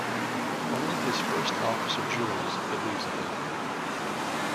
Only his first officer Jules believes in him.